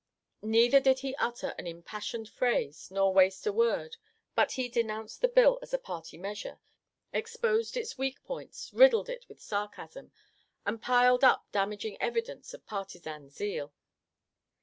Neither did he utter an impassioned phrase nor waste a word, but he denounced the bill as a party measure, exposed its weak points, riddled it with sarcasm, and piled up damaging evidence of partisan zeal.